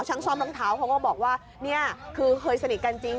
ช่างซ่อมรองเท้าเขาก็บอกว่านี่คือเคยสนิทกันจริง